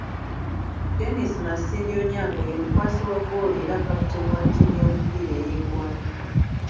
Dennis Masindi Onyango ye mukwasi wa ggoolo era kaputeni wa ttiimu y'omupiira ey'eggwanga.